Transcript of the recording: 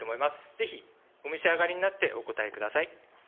ぜひ、お召し上がりになってお答えください。